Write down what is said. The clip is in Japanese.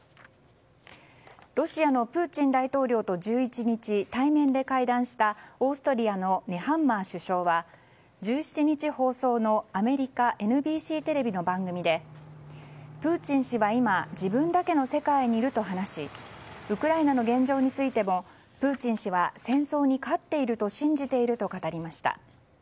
ロシアのプーチン大統領と１１日対面で会談したオーストリアのネハンマー首相は１７日放送のアメリカＮＢＣテレビの番組でプーチン氏は今自分だけの世界にいると話しウクライナの現状についてもプーチン氏は戦争に勝っていると信じていると語りました。